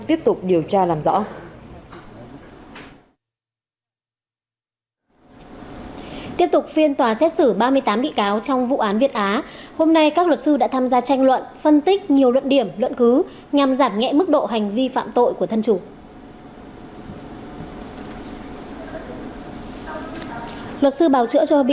tiếp tục điều tra làm rõ